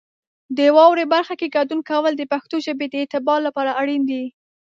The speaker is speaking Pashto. د واورئ برخه کې ګډون کول د پښتو ژبې د اعتبار لپاره اړین دي.